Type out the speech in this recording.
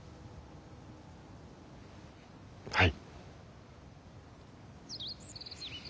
はい。